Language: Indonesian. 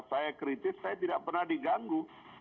saya kritis saya tidak pernah diganggu